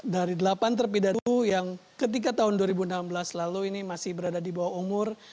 dari delapan terpidatu yang ketika tahun dua ribu enam belas lalu ini masih berada di bawah umur